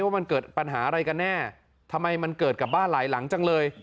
ว่ามันเกิดปัญหาอะไรกันแน่ทำไมมันเกิดกับบ้านหลายหลังจังเลย